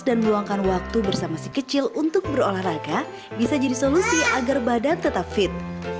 dan meluangkan waktu bersama si kecil untuk berolahraga bisa jadi solusi agar badan tetap fit